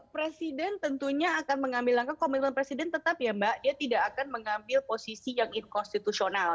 presiden tentunya akan mengambil langkah komitmen presiden tetap ya mbak dia tidak akan mengambil posisi yang inkonstitusional